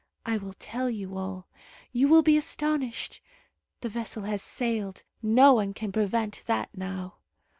I will tell you all. You will be astonished. The vessel has sailed. No one can prevent that now.